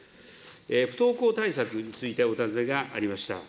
不登校対策についてお尋ねがありました。